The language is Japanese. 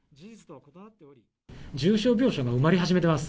重症病床が埋まり始めています。